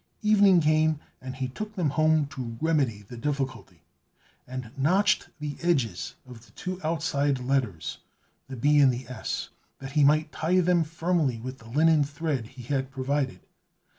Evening came, and he took them home to remedy the difficulty, and notched the edges of the two outside letters, the b, and the s, that he might tie them firmly with the linen thread he had provided.